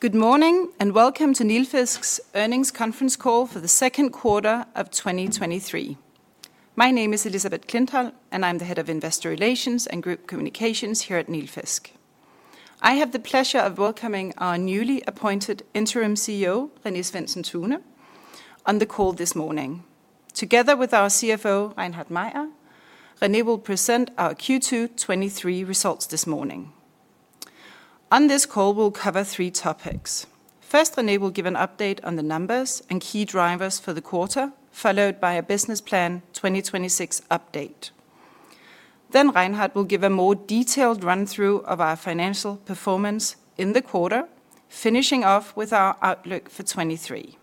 Good morning, welcome to Nilfisk's earnings conference call for the second quarter of 2023. My name is Elisabeth, and I'm the Head of Investor Relations and Group Communications here at Nilfisk. I have the pleasure of welcoming our newly appointed Interim CEO, René Svendsen-Tune, on the call this morning. Together with our CFO, Reinhard Mayer, René will present our Q2 '23 results this morning. On this call, we'll cover three topics. First, René will give an update on the numbers and key drivers for the quarter, followed by a Business Plan 2026 update. Reinhard will give a more detailed run-through of our financial performance in the quarter, finishing off with our outlook for 2023,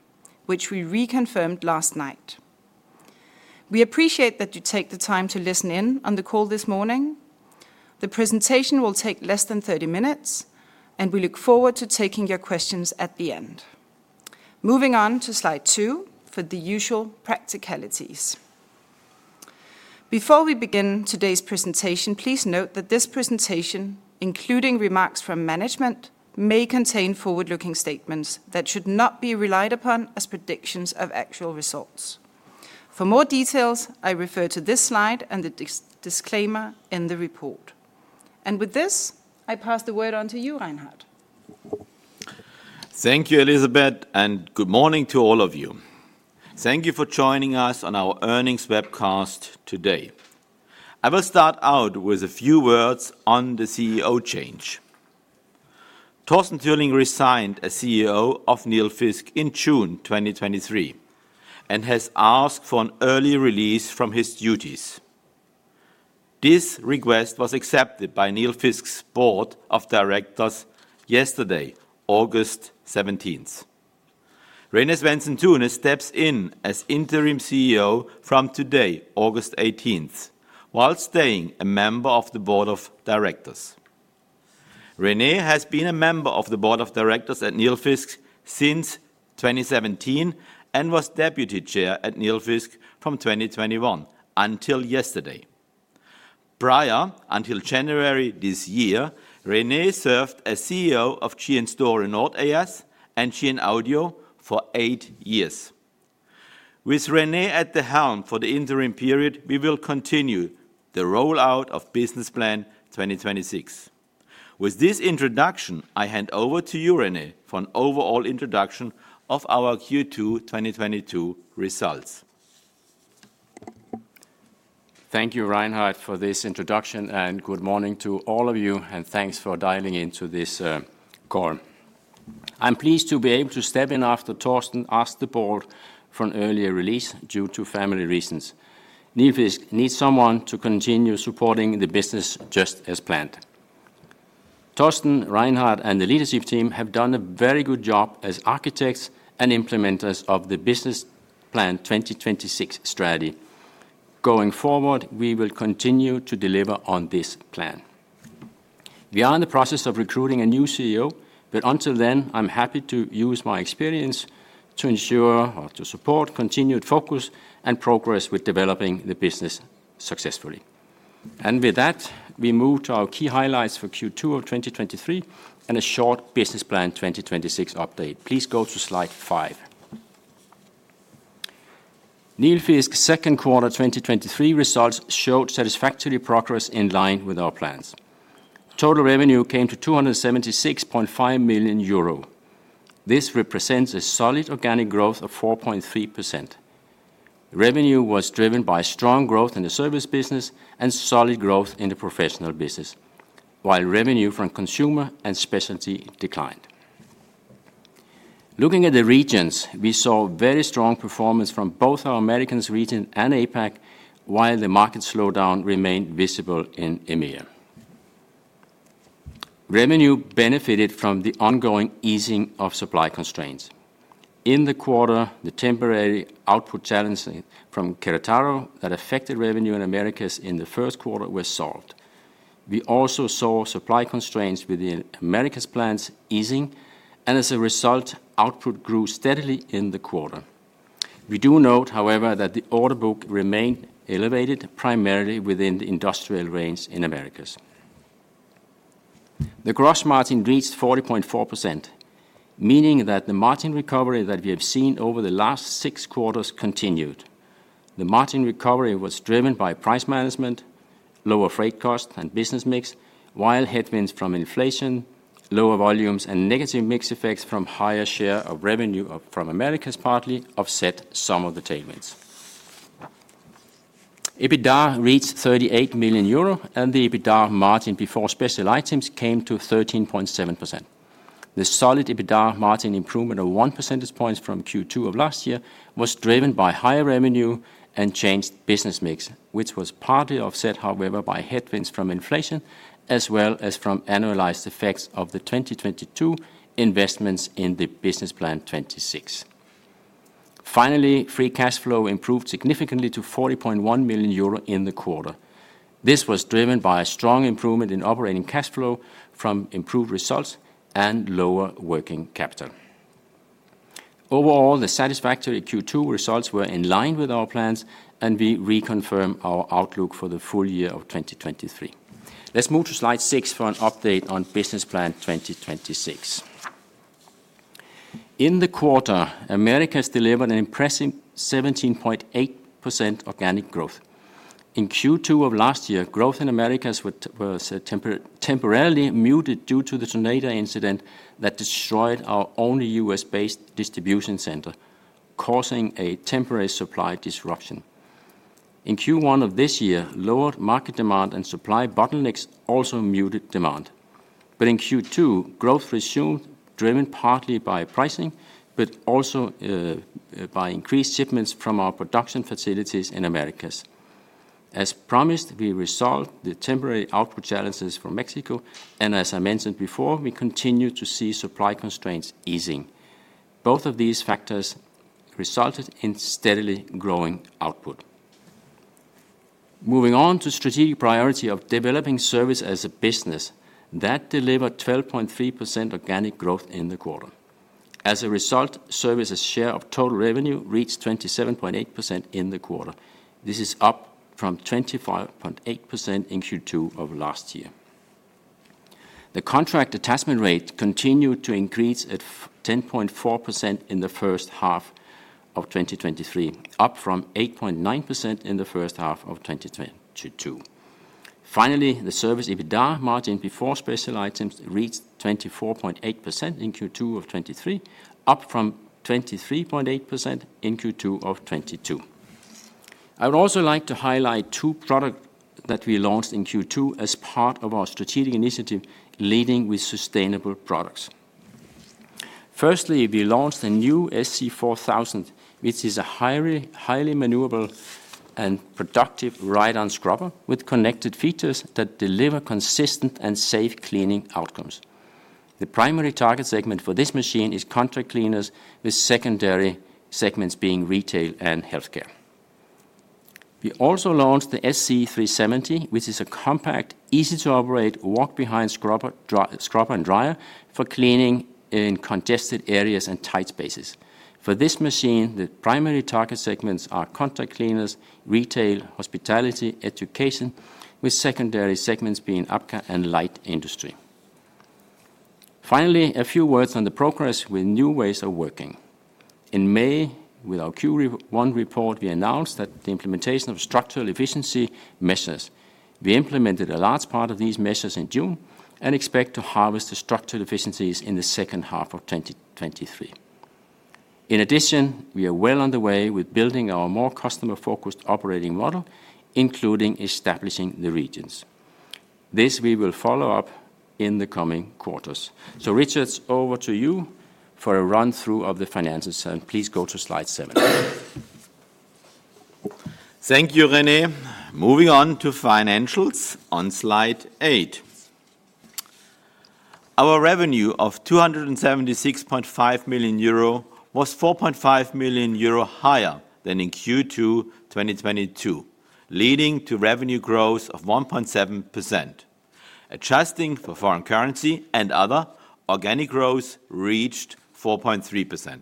which we reconfirmed last night. We appreciate that you take the time to listen in on the call this morning. The presentation will take less than 30 minutes, and we look forward to taking your questions at the end. Moving on to slide 2 for the usual practicalities. Before we begin today's presentation, please note that this presentation, including remarks from management, may contain forward-looking statements that should not be relied upon as predictions of actual results. For more details, I refer to this slide and the disclaimer in the report. With this, I pass the word on to you, Reinhard. Thank you, Elisabeth. Good morning to all of you. Thank you for joining us on our earnings webcast today. I will start out with a few words on the CEO change. Torsten Türling resigned as CEO of Nilfisk in June 2023 and has asked for an early release from his duties. This request was accepted by Nilfisk's board of directors yesterday, August 17th. René Svendsen-Tune steps in as interim CEO from today, August 18th, while staying a member of the board of directors. René has been a member of the board of directors at Nilfisk since 2017 and was deputy chair at Nilfisk from 2021 until yesterday. Prior, until January this year, René served as CEO of GN Store Nord A/S and GN Audio for 8 years. With René at the helm for the interim period, we will continue the rollout of Business Plan 2026. With this introduction, I hand over to you, René, for an overall introduction of our Q2 2022 results. Thank you, Reinhard, for this introduction, and good morning to all of you, and thanks for dialing into this call. I'm pleased to be able to step in after Torsten asked the board for an earlier release due to family reasons. Nilfisk needs someone to continue supporting the business just as planned. Torsten, Reinhard, and the leadership team have done a very good job as architects and implementers of the Business Plan 2026 strategy. Going forward, we will continue to deliver on this plan. We are in the process of recruiting a new CEO, but until then, I'm happy to use my experience to ensure or to support continued focus and progress with developing the business successfully. With that, we move to our key highlights for Q2 of 2023 and a short Business Plan 2026 update. Please go to slide five. Nilfisk's second quarter 2023 results showed satisfactory progress in line with our plans. Total revenue came to 276.5 million euro. This represents a solid organic growth of 4.3%. Revenue was driven by strong growth in the service business and solid growth in the professional business, while revenue from consumer and specialty declined. Looking at the regions, we saw very strong performance from both our Americas region and APAC, while the market slowdown remained visible in EMEA. Revenue benefited from the ongoing easing of supply constraints. In the quarter, the temporary output challenging from Querétaro that affected revenue in Americas in the first quarter were solved. We also saw supply constraints within Americas' plants easing, and as a result, output grew steadily in the quarter. We do note, however, that the order book remained elevated, primarily within the industrial range in Americas. The gross margin reached 40.4%, meaning that the margin recovery that we have seen over the last six quarters continued. The margin recovery was driven by price management, lower freight costs, and business mix, while headwinds from inflation, lower volumes, and negative mix effects from higher share of revenue from Americas partly offset some of the tailwinds. EBITDA reached 38 million euro, and the EBITDA margin before special items came to 13.7%. The solid EBITDA margin improvement of one percentage point from Q2 of last year was driven by higher revenue and changed business mix, which was partly offset, however, by headwinds from inflation, as well as from annualized effects of the 2022 investments in the Business Plan 2026. Finally, free cash flow improved significantly to 40.1 million euro in the quarter. This was driven by a strong improvement in operating cash flow from improved results and lower working capital. Overall, the satisfactory Q2 results were in line with our plans, and we reconfirm our outlook for the full year of 2023. Let's move to slide six for an update on Business Plan 2026. In the quarter, Americas delivered an impressive 17.8% organic growth. In Q2 of last year, growth in Americas was temporarily muted due to the tornado incident that destroyed our only U.S.-based distribution center, causing a temporary supply disruption. In Q1 of this year, lowered market demand and supply bottlenecks also muted demand. In Q2, growth resumed, driven partly by pricing, but also by increased shipments from our production facilities in Americas. As promised, we resolved the temporary output challenges from Mexico, and as I mentioned before, we continue to see supply constraints easing. Both of these factors resulted in steadily growing output. Moving on to strategic priority of developing service as a business, that delivered 12.3% organic growth in the quarter. As a result, service's share of total revenue reached 27.8% in the quarter. This is up from 25.8% in Q2 of last year. The contract attachment rate continued to increase at 10.4% in the first half of 2023, up from 8.9% in the first half of 2022. Finally, the service EBITDA margin before special items reached 24.8% in Q2 of 2023, up from 23.8% in Q2 of 2022. I would also like to highlight two product that we launched in Q2 as part of our strategic initiative, leading with sustainable products. Firstly, we launched the new SC4000, which is a highly, highly maneuverable and productive ride-on scrubber with connected features that deliver consistent and safe cleaning outcomes. The primary target segment for this machine is contract cleaners, with secondary segments being retail and healthcare. We also launched the SC370, which is a compact, easy-to-operate, walk-behind scrubber and dryer for cleaning in congested areas and tight spaces. For this machine, the primary target segments are contract cleaners, retail, hospitality, education, with secondary segments being APAC and light industry. Finally, a few words on the progress with new ways of working. In May, with our Q1 report, we announced that the implementation of structural efficiency measures. We implemented a large part of these measures in June and expect to harvest the structural efficiencies in the second half of 2023. In addition, we are well on the way with building our more customer-focused operating model, including establishing the regions. This we will follow up in the coming quarters. Reinhard, over to you for a run-through of the finances. Please go to slide seven. Thank you, René. Moving on to financials on slide eight. Our revenue of 276.5 million euro was 4.5 million euro higher than in Q2 2022, leading to revenue growth of 1.7%. Adjusting for foreign currency and other, organic growth reached 4.3%.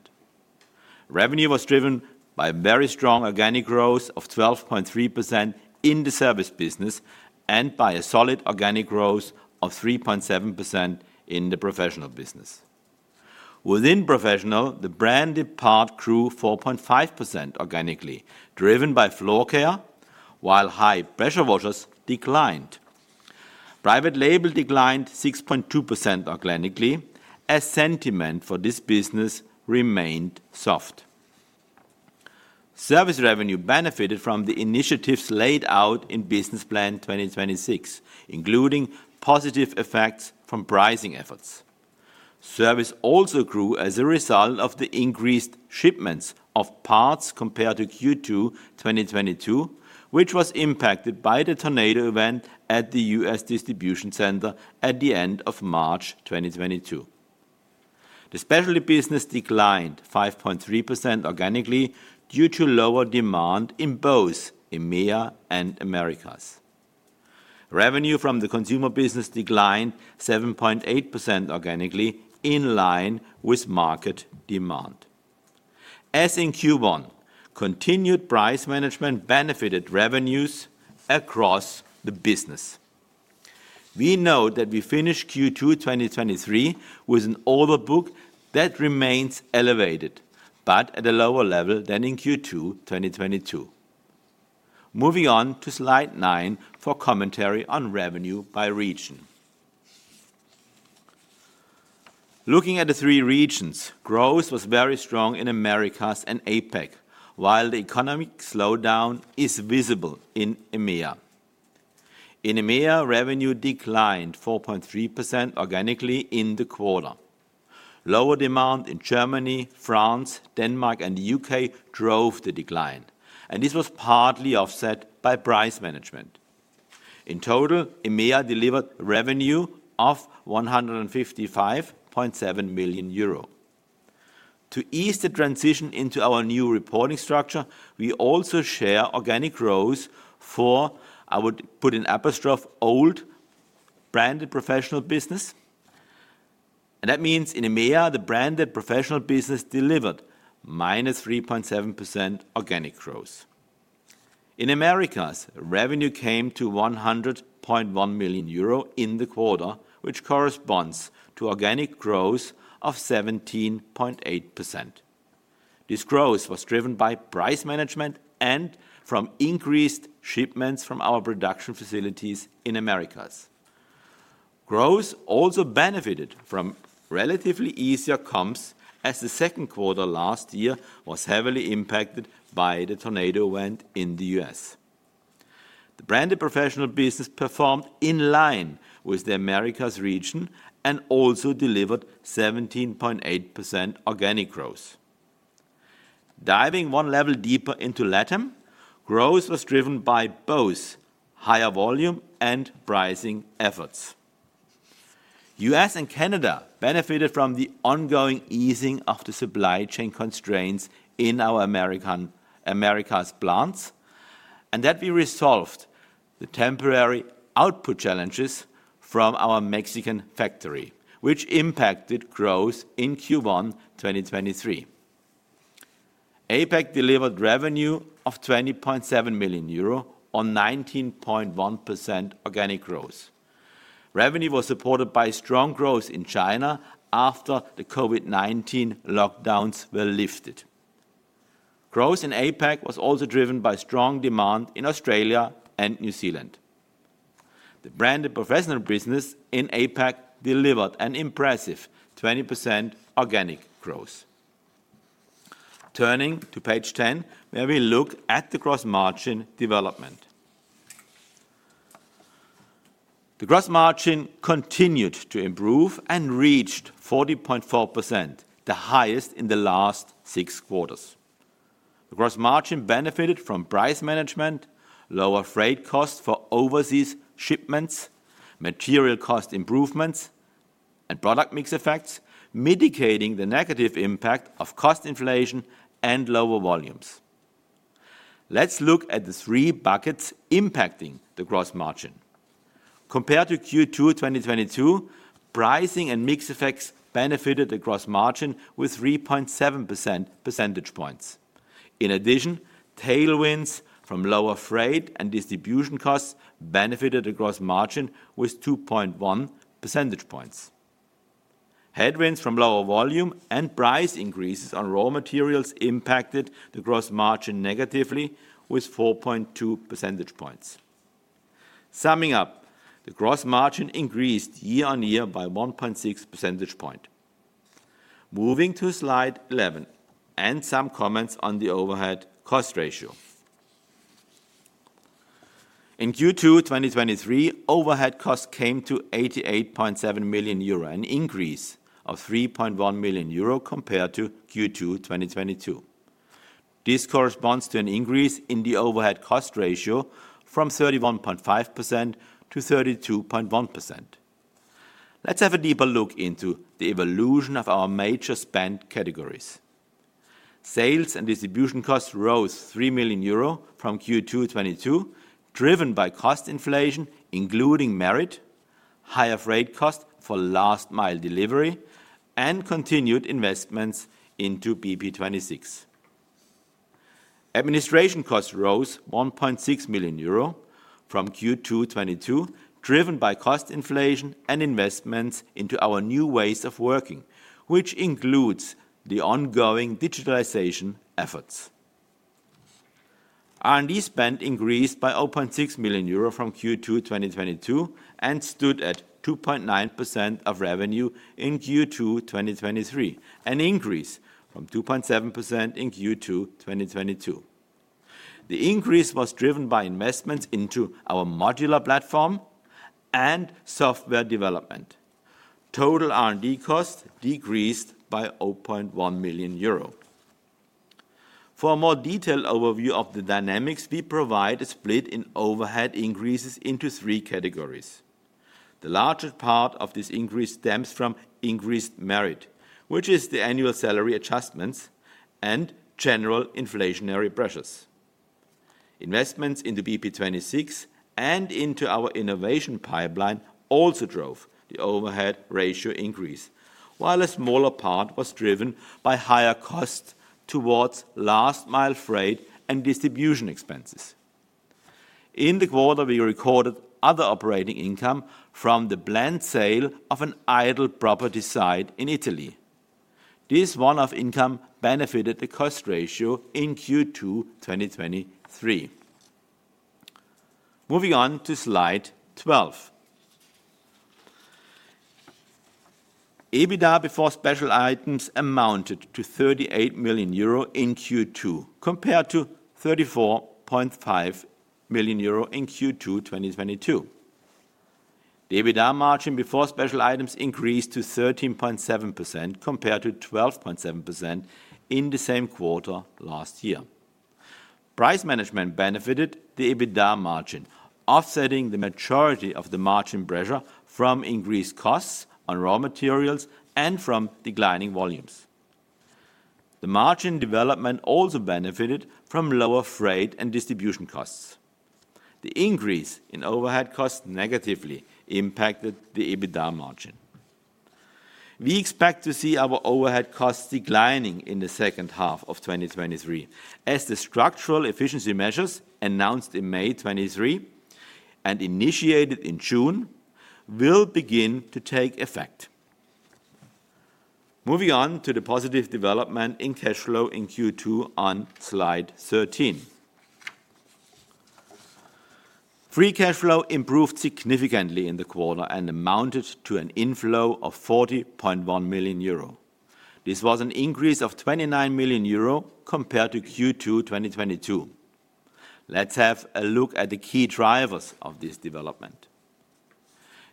Revenue was driven by very strong organic growth of 12.3% in the service business and by a solid organic growth of 3.7% in the professional business. Within professional, the branded part grew 4.5% organically, driven by floor care, while high-pressure washers declined. Private label declined 6.2% organically, as sentiment for this business remained soft. Service revenue benefited from the initiatives laid out in Business Plan 2026, including positive effects from pricing efforts. Service also grew as a result of the increased shipments of parts compared to Q2 2022, which was impacted by the tornado event at the US distribution center at the end of March 2022. The specialty business declined 5.3% organically due to lower demand in both EMEA and Americas. Revenue from the consumer business declined 7.8% organically, in line with market demand. As in Q1, continued price management benefited revenues across the business. We know that we finished Q2 2023 with an order book that remains elevated, but at a lower level than in Q2 2022. Moving on to Slide nine for commentary on revenue by region. Looking at the three regions, growth was very strong in Americas and APAC, while the economic slowdown is visible in EMEA. In EMEA, revenue declined 4.3% organically in the quarter. Lower demand in Germany, France, Denmark, and the U.K. drove the decline. This was partly offset by price management. In total, EMEA delivered revenue of EUR 155.7 million. To ease the transition into our new reporting structure, we also share organic growth for, I would put in "old Branded Professional business". That means in EMEA, the branded professional business delivered -3.7% organic growth. In Americas, revenue came to 100.1 million euro in the quarter, which corresponds to organic growth of 17.8%. This growth was driven by price management and from increased shipments from our production facilities in Americas. Growth also benefited from relatively easier comps, as the second quarter last year was heavily impacted by the tornado event in the U.S. The branded professional business performed in line with the Americas region and also delivered 17.8% organic growth. Diving one level deeper into LATAM, growth was driven by both higher volume and pricing efforts. US and Canada benefited from the ongoing easing of the supply chain constraints in our Americas plants, and that we resolved the temporary output challenges from our Mexican factory, which impacted growth in Q1 2023. APAC delivered revenue of 20.7 million euro on 19.1% organic growth. Revenue was supported by strong growth in China after the COVID-19 lockdowns were lifted. Growth in APAC was also driven by strong demand in Australia and New Zealand. The branded professional business in APAC delivered an impressive 20% organic growth. Turning to page 10, where we look at the gross margin development. The gross margin continued to improve and reached 40.4%, the highest in the last six quarters. The gross margin benefited from price management, lower freight costs for overseas shipments, material cost improvements, and product mix effects, mitigating the negative impact of cost inflation and lower volumes. Let's look at the three buckets impacting the gross margin. Compared to Q2, 2022, pricing and mix effects benefited the gross margin with 3.7% percentage points. In addition, tailwinds from lower freight and distribution costs benefited the gross margin with 2.1 percentage points. Headwinds from lower volume and price increases on raw materials impacted the gross margin negatively with 4.2 percentage points. Summing up, the gross margin increased year-on-year by 1.6 percentage point. Moving to slide 11 and some comments on the overhead cost ratio. In Q2 2023, overhead costs came to 88.7 million euro, an increase of 3.1 million euro compared to Q2 2022. This corresponds to an increase in the overhead cost ratio from 31.5% to 32.1%. Let's have a deeper look into the evolution of our major spend categories. Sales and distribution costs rose 3 million euro from Q2 2022, driven by cost inflation, including merit, higher freight cost for last-mile delivery, and continued investments into BP26. Administration costs rose 1.6 million euro from Q2 2022, driven by cost inflation and investments into our new ways of working, which includes the ongoing digitalization efforts. R&D spend increased by 0.6 million euro from Q2 2022, and stood at 2.9% of revenue in Q2 2023, an increase from 2.7% in Q2 2022. The increase was driven by investments into our modular platform and software development. Total R&D cost decreased by 0.1 million euro. For a more detailed overview of the dynamics, we provide a split in overhead increases into three categories. The largest part of this increase stems from increased merit, which is the annual salary adjustments and general inflationary pressures. Investments into BP26 and into our innovation pipeline also drove the overhead ratio increase, while a smaller part was driven by higher costs towards last-mile freight and distribution expenses. In the quarter, we recorded other operating income from the planned sale of an idle property site in Italy. This one-off income benefited the cost ratio in Q2, 2023. Moving on to slide 12. EBITDA before special items amounted to 38 million euro in Q2, compared to 34.5 million euro in Q2, 2022. The EBITDA margin before special items increased to 13.7%, compared to 12.7% in the same quarter last year. Price management benefited the EBITDA margin, offsetting the majority of the margin pressure from increased costs on raw materials and from declining volumes. The margin development also benefited from lower freight and distribution costs. The increase in overhead costs negatively impacted the EBITDA margin. We expect to see our overhead costs declining in the second half of 2023, as the structural efficiency measures announced in May 2023, and initiated in June, will begin to take effect. Moving on to the positive development in cash flow in Q2 on slide 13. Free cash flow improved significantly in the quarter and amounted to an inflow of 40.1 million euro. This was an increase of 29 million euro compared to Q2 2022. Let's have a look at the key drivers of this development.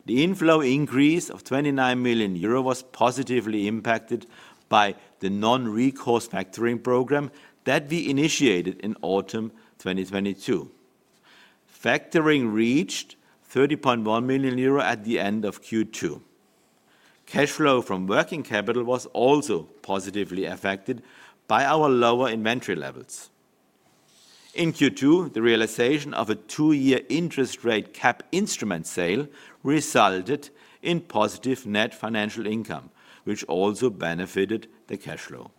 The inflow increase of 29 million euro was positively impacted by the non-recourse factoring program that we initiated in autumn 2022. Factoring reached 30.1 million euro at the end of Q2. Cash flow from working capital was also positively affected by our lower inventory levels. In Q2, the realization of a two-year interest rate cap instrument sale resulted in positive net financial income, which also benefited the cash flow.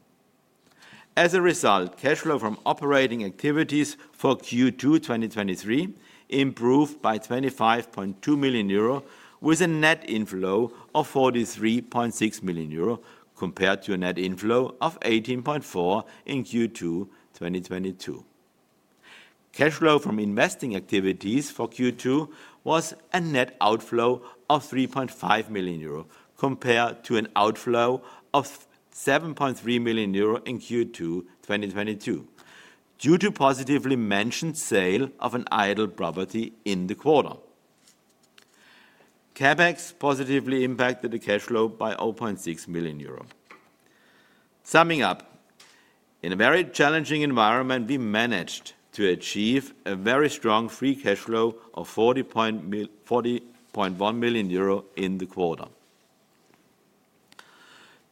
As a result, cash flow from operating activities for Q2 2023 improved by 25.2 million euro, with a net inflow of 43.6 million euro, compared to a net inflow of 18.4 in Q2 2022. Cash flow from investing activities for Q2 was a net outflow of 3.5 million euro, compared to an outflow of 7.3 million euro in Q2 2022, due to positively mentioned sale of an idle property in the quarter. CapEx positively impacted the cash flow by 0.6 million euro. Summing up, in a very challenging environment, we managed to achieve a very strong free cash flow of 40.1 million euro in the quarter.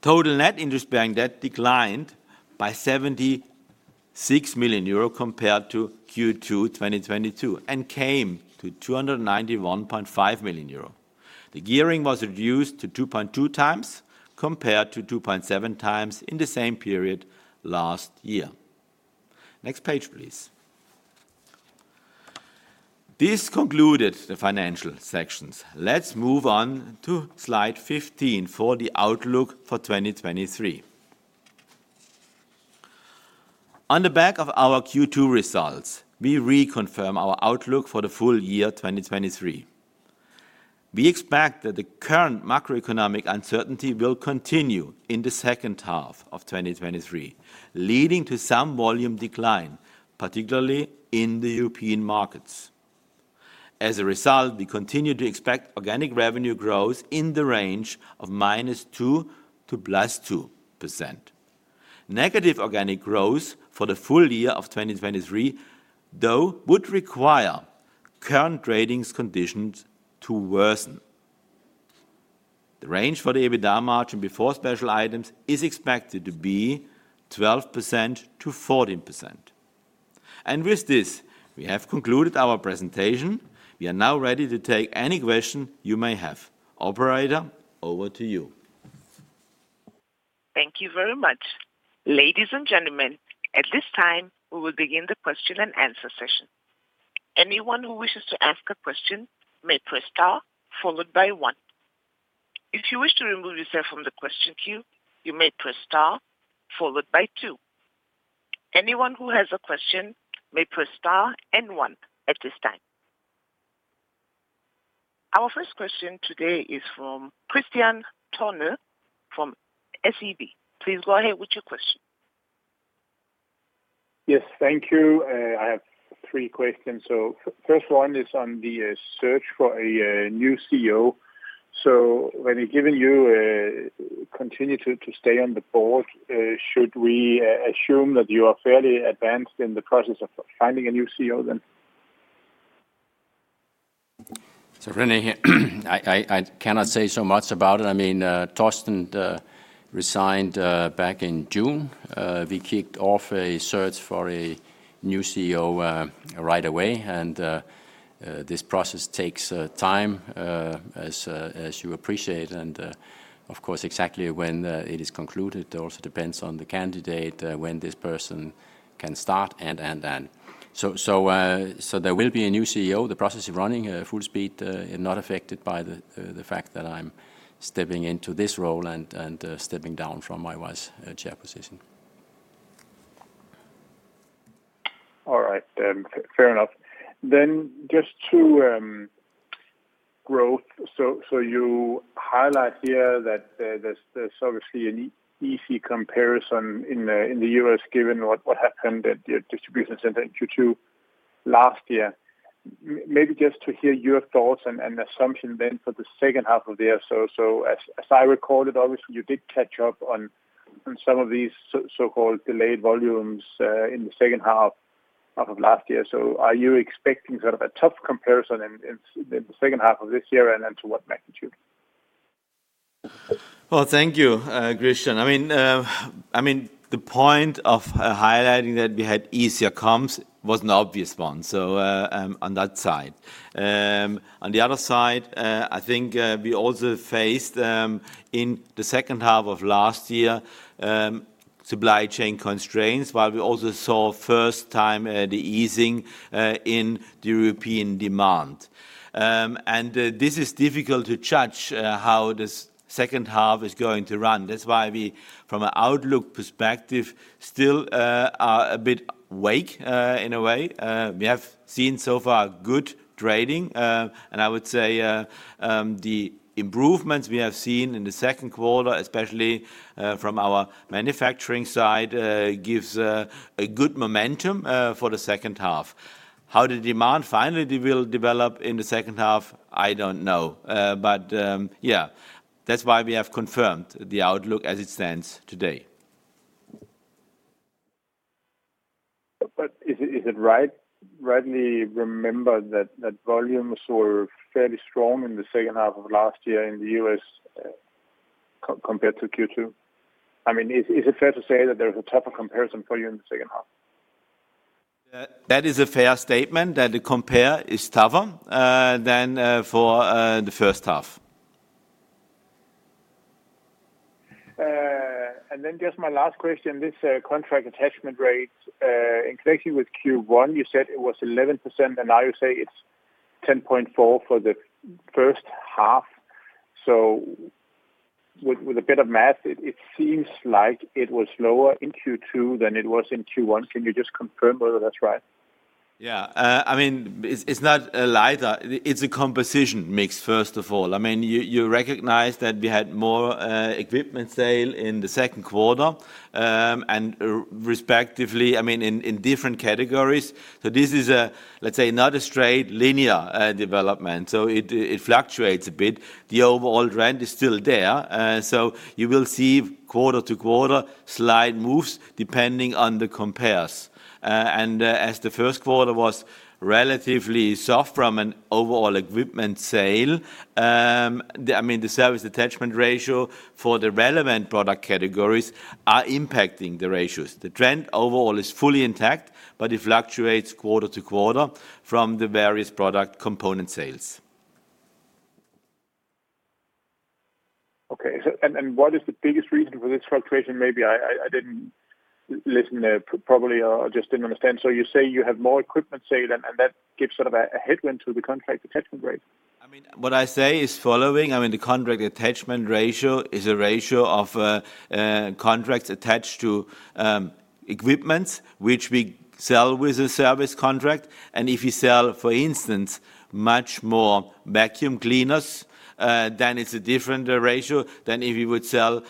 Total net interest-bearing debt declined by 76 million euro compared to Q2 2022, and came to 291.5 million euro. The gearing was reduced to 2.2 times compared to 2.7 times in the same period last year. Next page, please. This concluded the financial sections. Let's move on to slide 15 for the outlook for 2023. On the back of our Q2 results, we reconfirm our outlook for the full year 2023. We expect that the current macroeconomic uncertainty will continue in the second half of 2023, leading to some volume decline, particularly in the European markets. As a result, we continue to expect organic revenue growth in the range of -2% to +2%. Negative organic growth for the full year of 2023, though, would require current trading conditions to worsen. The range for the EBITDA margin before special items is expected to be 12%-14%. With this, we have concluded our presentation. We are now ready to take any question you may have. Operator, over to you. Thank you very much. Ladies and gentlemen, at this time, we will begin the question and answer session. Anyone who wishes to ask a question may press star followed by one. If you wish to remove yourself from the question queue, you may press star followed by two. Anyone who has a question may press star and one at this time. Our first question today is from Kristian Tornøe, from SEB. Please go ahead with your question. Yes, thank you. I have three questions. First one is on the search for a new CEO. When we've given you continuity to stay on the board, should we assume that you are fairly advanced in the process of finding a new CEO, then? René here. I, I, I cannot say so much about it. I mean, Torsten resigned back in June. We kicked off a search for a new CEO right away, and this process takes time as you appreciate. Of course, exactly when it is concluded, it also depends on the candidate when this person can start, and, and, and. There will be a new CEO. The process is running full speed and not affected by the fact that I'm stepping into this role and, and stepping down from my wise chair position. All right, fair enough. Just to growth. You highlight here that there's obviously an easy comparison in the US, given what happened at your distribution center in Q2 last year. Maybe just to hear your thoughts and assumption then for the second half of the year. As I recorded, obviously, you did catch up on some of these so-called delayed volumes in the second half of last year. Are you expecting sort of a tough comparison in the second half of this year, and then to what magnitude? Well, thank you, Kristian. I mean, I mean, the point of highlighting that we had easier comps was an obvious one, so on that side. On the other side, I think, we also faced, in the second half of last year, supply chain constraints, while we also saw first time, the easing, in the European demand. This is difficult to judge, how this second half is going to run. That's why we, from an outlook perspective, still, are a bit weak, in a way. We have seen so far good trading. I would say, the improvements we have seen in the second quarter, especially, from our manufacturing side, gives a good momentum, for the second half. How the demand finally will develop in the second half, I don't know. Yeah, that's why we have confirmed the outlook as it stands today. Is it, is it right, rightly remembered that, that volumes were fairly strong in the second half of last year in the U.S., compared to Q2? I mean, is, is it fair to say that there is a tougher comparison for you in the second half? That is a fair statement, that the compare is tougher than for the first half. Just my last question. This, Contract attachment rates, in connection with Q1, you said it was 11%, and now you say it's 10.4 for the first half. With, with a bit of math, it, it seems like it was lower in Q2 than it was in Q1. Can you just confirm whether that's right? Yeah. I mean, it's, it's not linear. It's a composition mix, first of all. I mean, you, you recognize that we had more equipment sale in the second quarter, and respectively, I mean, in, in different categories. This is a, let's say, not a straight linear development, so it, it fluctuates a bit. The overall trend is still there. You will see quarter to quarter slight moves, depending on the compares. As the first quarter was relatively soft from an overall equipment sale, the, I mean, the service attachment rate for the relevant product categories are impacting the ratios. The trend overall is fully intact, but it fluctuates quarter to quarter from the various product component sales. Okay. What is the biggest reason for this fluctuation? Maybe I, I, I didn't listen, probably, or just didn't understand. You say you have more equipment sale, and, and that gives sort of a, a headwind to the contract attachment rate. I mean, what I say is following, I mean, the contract attachment ratio is a ratio of contracts attached to equipments, which we sell with a service contract. If you sell, for instance, much more vacuum cleaners, then it's a different ratio than if you would sell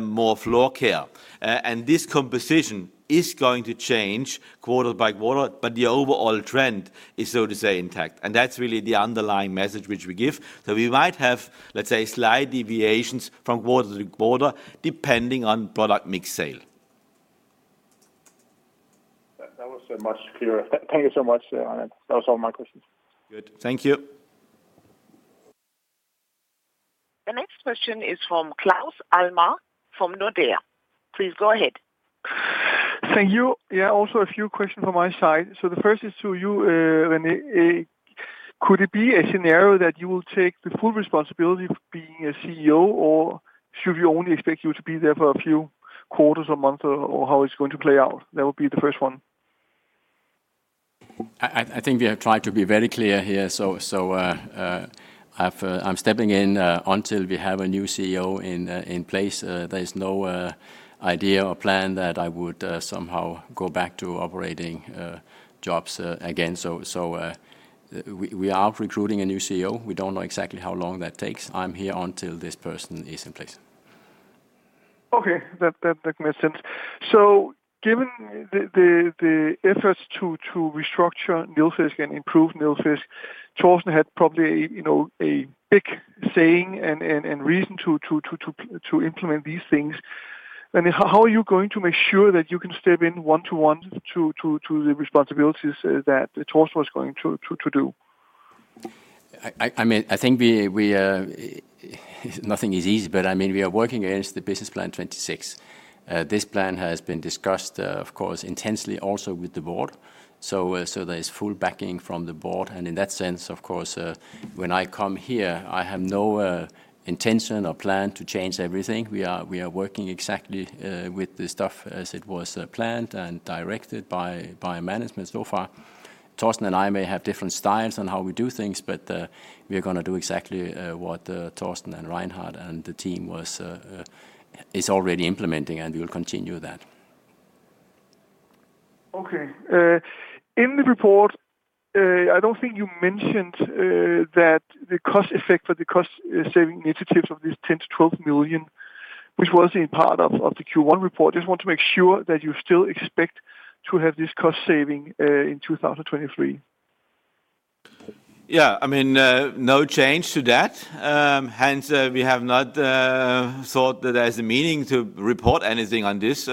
more floor care. This composition is going to change quarter by quarter, but the overall trend is, so to say, intact, and that's really the underlying message which we give. We might have, let's say, slight deviations from quarter to quarter, depending on product mix sale. That, that was much clearer. Thank you so much, Reinhard. That was all my questions. Good. Thank you. The next question is from Claus Almer, from Nordea. Please go ahead. Thank you. Yeah, also a few questions from my side. The first is to you, René. Could it be a scenario that you will take the full responsibility for being a CEO, or should we only expect you to be there for a few quarters or months, or, or how it's going to play out? That would be the first one. I think we have tried to be very clear here. I'm stepping in until we have a new CEO in place. There is no idea or plan that I would somehow go back to operating jobs again. We are recruiting a new CEO. We don't know exactly how long that takes. I'm here until this person is in place. Okay. That, that, that makes sense. Given the, the, the efforts to, to restructure Nilfisk and improve Nilfisk, Torsten had probably, you know, a big saying and, and, and reason to, to, to, to, to implement these things. How are you going to make sure that you can step in one-to-one, to, to, to the responsibilities that Torsten was going to, to, to do? I mean, I think we. Nothing is easy. I mean, we are working against the Business Plan 2026. This plan has been discussed, of course, intensely also with the board. So there is full backing from the board, in that sense, of course, when I come here, I have no intention or plan to change everything. We are working exactly with the stuff as it was planned and directed by, by management so far. Torsten and I may have different styles on how we do things, we are gonna do exactly what Torsten and Reinhard and the team was is already implementing, and we will continue that. Okay. In the report, I don't think you mentioned that the cost effect or the cost saving initiatives of this 10 million-12 million, which was a part of, of the Q1 report. Just want to make sure that you still expect to have this cost saving in 2023. Yeah. I mean, no change to that. Hence, we have not thought that there's a meaning to report anything on this.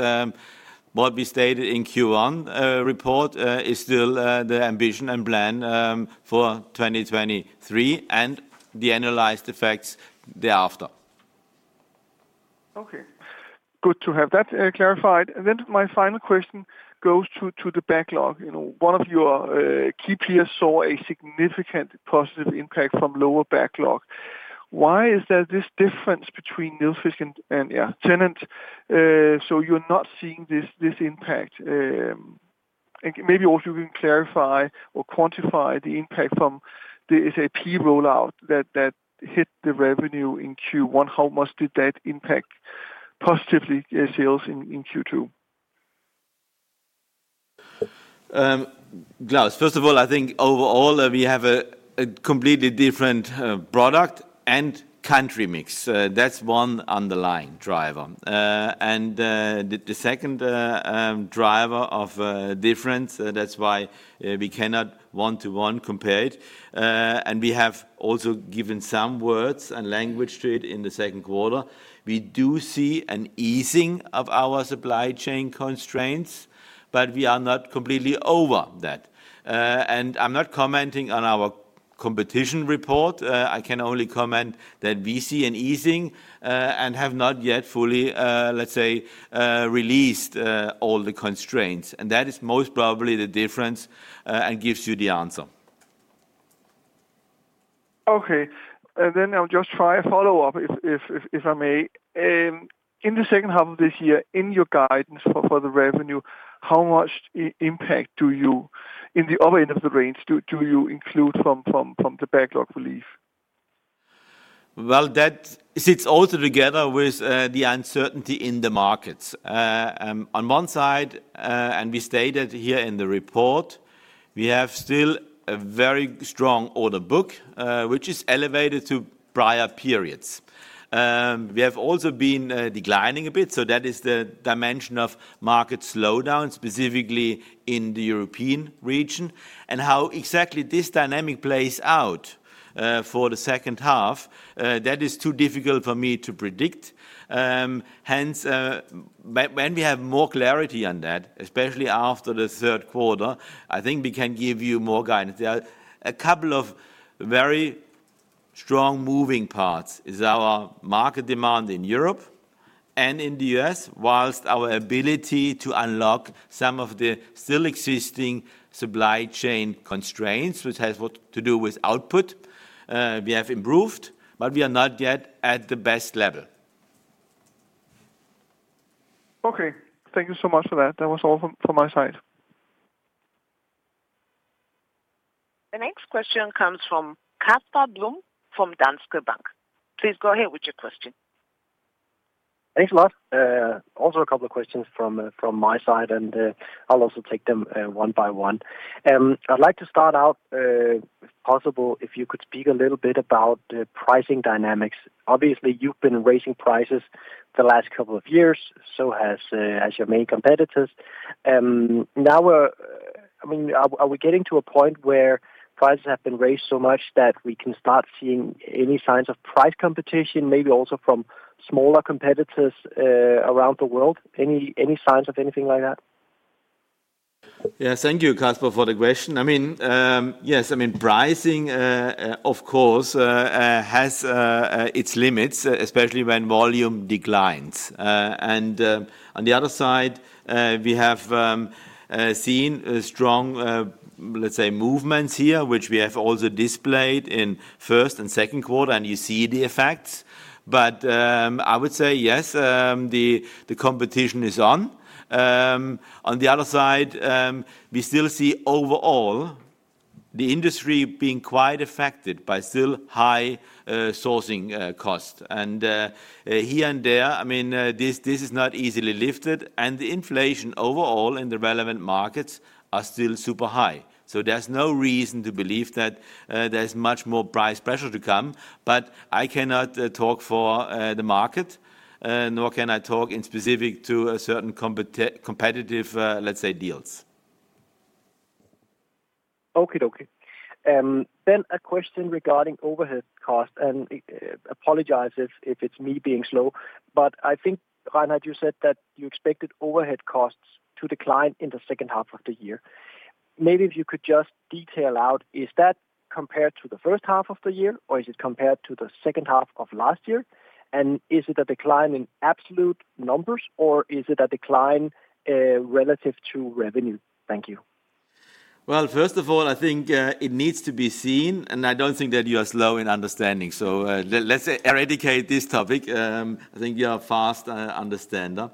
What we stated in Q1 report is still the ambition and plan for 2023 and the analyzed effects thereafter. Okay, good to have that clarified. My final question goes to the backlog. You know, one of your key peers saw a significant positive impact from lower backlog. Why is there this difference between Nilfisk and Tennant Company? You're not seeing this impact, and maybe also you can clarify or quantify the impact from the SAP rollout that hit the revenue in Q1. How much did that impact positively sales in Q2? Claus, first of all, I think overall, we have a completely different product and country mix. That's one underlying driver. The second driver of difference, that's why we cannot one to one compare it. We have also given some words and language to it in the second quarter. We do see an easing of our supply chain constraints, but we are not completely over that. I'm not commenting on our competition report. I can only comment that we see an easing and have not yet fully, let's say, released all the constraints. That is most probably the difference and gives you the answer. Okay. I'll just try a follow-up if I may. In the second half of this year, in your guidance for the revenue, how much impact do you, in the other end of the range, do you include from the backlog relief? Well, that sits also together with the uncertainty in the markets. On one side, and we stated here in the report, we have still a very strong order book, which is elevated to prior periods. We have also been declining a bit, so that is the dimension of market slowdown, specifically in the European region. And how exactly this dynamic plays out for the second half, that is too difficult for me to predict. Hence, when, when we have more clarity on that, especially after the third quarter, I think we can give you more guidance. There are a couple of very strong moving parts, is our market demand in Europe and in the US, whilst our ability to unlock some of the still existing supply chain constraints, which has what to do with output. We have improved, but we are not yet at the best level. Okay. Thank you so much for that. That was all from my side. The next question comes from Casper Blom, from Danske Bank. Please go ahead with your question. Thanks a lot. Also a couple of questions from from my side, and I'll also take them one by one. I'd like to start out, if possible, if you could speak a little bit about the pricing dynamics. Obviously, you've been raising prices the last couple of years, so has as your main competitors. Now I mean, are, are we getting to a point where prices have been raised so much that we can start seeing any signs of price competition, maybe also from smaller competitors, around the world? Any, any signs of anything like that? Yeah, thank you, Casper, for the question. I mean, yes, I mean, pricing, of course, has its limits, especially when volume declines. On the other side, we have seen a strong, let's say, movements here, which we have also displayed in first and second quarter, and you see the effects. I would say, yes, the competition is on. On the other side, we still see overall, the industry being quite affected by still high sourcing cost. Here and there, I mean, this, this is not easily lifted, and the inflation overall in the relevant markets are still super high. There's no reason to believe that there's much more price pressure to come, but I cannot talk for the market, nor can I talk in specific to a certain competitive, let's say, deals. Okie dokie. A question regarding overhead cost, apologize if it's me being slow, but I think, Reinhard Mayer, you said that you expected overhead costs to decline in the second half of the year. Maybe if you could just detail out, is that compared to the first half of the year, or is it compared to the second half of last year? Is it a decline in absolute numbers, or is it a decline relative to revenue? Thank you. First of all, I think it needs to be seen, and I don't think that you are slow in understanding. Let's eradicate this topic. I think you are a fast understander.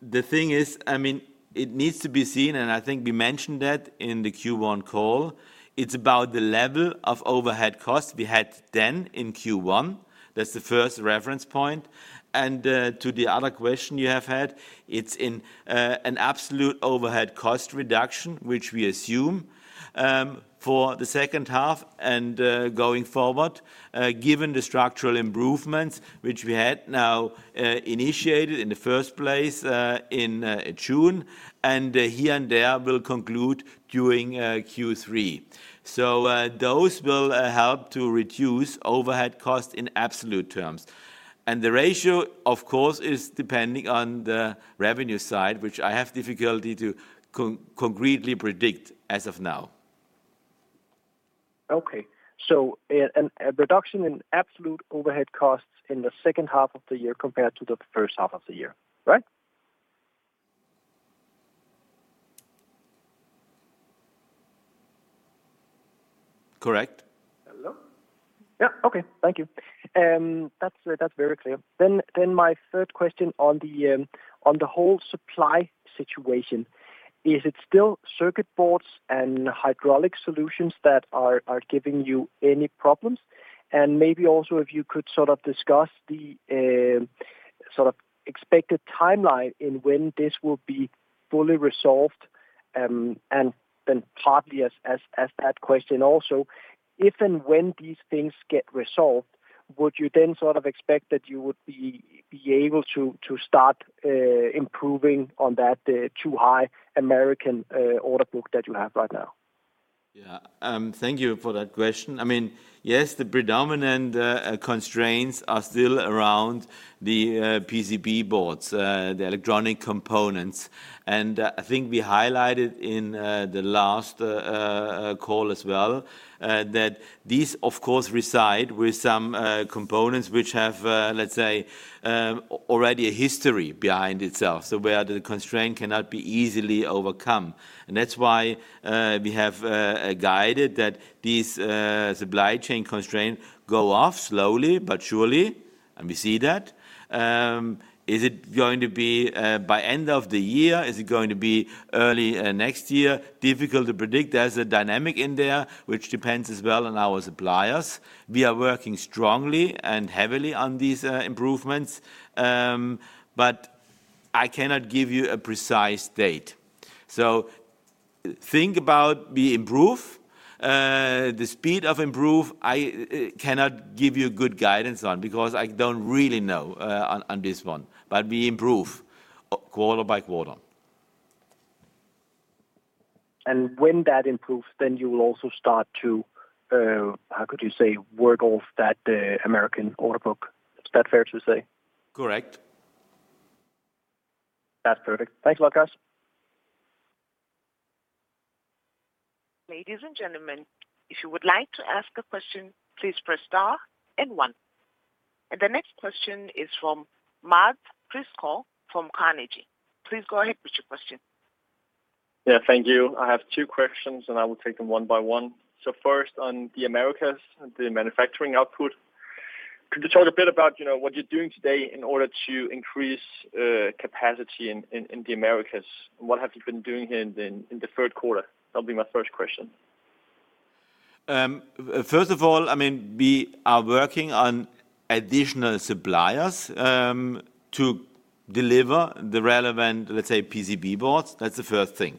The thing is, I mean, it needs to be seen, and I think we mentioned that in the Q1 call. That's the first reference point. To the other question you have had, it's in an absolute overhead cost reduction, which we assume for the second half and going forward, given the structural improvements which we had now initiated in the first place in June, and here and there, will conclude during Q3. Those will help to reduce overhead cost in absolute terms. The ratio, of course, is depending on the revenue side, which I have difficulty to concretely predict as of now. Okay, so a reduction in absolute overhead costs in the second half of the year compared to the first half of the year, right? Correct. Hello? Yeah. Okay, thank you. That's, that's very clear. Then, then my third question on the, on the whole supply situation: Is it still PCB boards and hydraulic solutions that are, are giving you any problems? Maybe also if you could sort of discuss the, sort of expected timeline in when this will be fully resolved. Then partly as, as, as that question also, if and when these things get resolved, would you then sort of expect that you would be, be able to, to start, improving on that, too high American, order book that you have right now? Yeah. Thank you for that question. I mean, yes, the predominant constraints are still around the PCB boards, the electronic components. I think we highlighted in the last call as well, that these of course, reside with some components which have, let's say, already a history behind itself, so where the constraint cannot be easily overcome. That's why we have guided that these supply chain constraints go off slowly but surely, and we see that. Is it going to be by end of the year? Is it going to be early next year? Difficult to predict. There's a dynamic in there which depends as well on our suppliers. We are working strongly and heavily on these improvements. I cannot give you a precise date. Think about we improve. The speed of improve, I cannot give you good guidance on, because I don't really know on this one. We improve quarter by quarter. When that improves, then you will also start to, how could you say, work off that American order book? Is that fair to say? Correct. That's perfect. Thanks a lot, uncertain. Ladies and gentlemen, if you would like to ask a question, please press star one. The next question is from Mads Quistgaard from Carnegie. Please go ahead with your question. Yeah, thank you. I have two questions, and I will take them one by one. First, on the Americas, the manufacturing output, could you talk a bit about, you know, what you're doing today in order to increase capacity in, in, in the Americas? What have you been doing here in the, in the third quarter? That'll be my first question. First of all, I mean, we are working on additional suppliers to deliver the relevant, let's say, PCB boards. That's the first thing.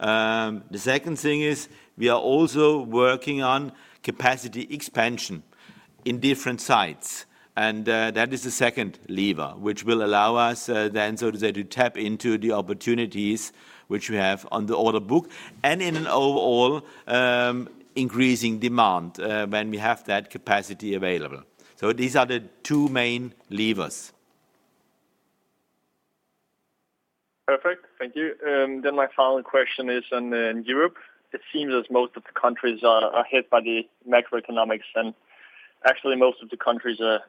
The second thing is we are also working on capacity expansion in different sites, and that is the second lever, which will allow us then, so to say, to tap into the opportunities which we have on the order book and in an overall increasing demand when we have that capacity available. These are the two main levers. Perfect. Thank you. My final question is on Europe. It seems as most of the countries are, are hit by the macroeconomics, and actually most of the countries are,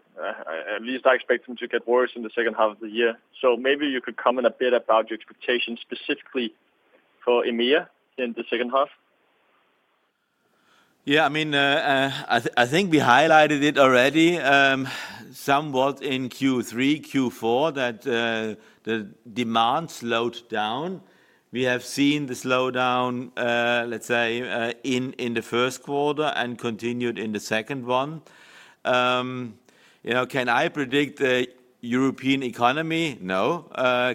at least I expect them to get worse in the second half of the year. Maybe you could comment a bit about your expectations, specifically for EMEA in the second half. Yeah, I mean, I think we highlighted it already, somewhat in Q3, Q4, that the demand slowed down. We have seen the slowdown, let's say, in the first quarter and continued in the second one. You know, can I predict the European economy? No.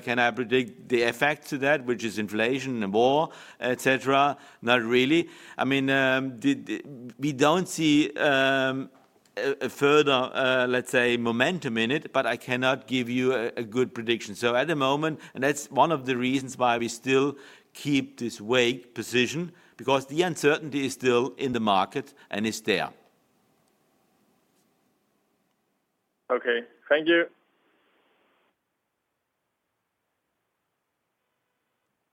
Can I predict the effect to that, which is inflation and war, et cetera? Not really. I mean, the, we don't see a further, let's say, momentum in it, but I cannot give you a good prediction. At the moment, and that's one of the reasons why we still keep this weight position, because the uncertainty is still in the market and is there. Okay, thank you.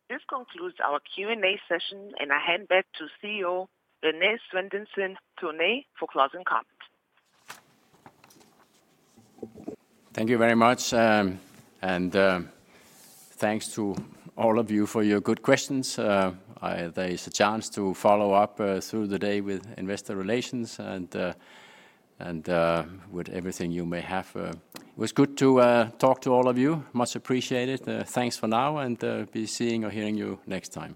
This concludes our Q&A session, and I hand back to CEO, René Svendsen-Tune, for closing comments. Thank you very much. Thanks to all of you for your good questions. There is a chance to follow up through the day with investor relations and with everything you may have. It was good to talk to all of you. Much appreciated. Thanks for now. Be seeing or hearing you next time.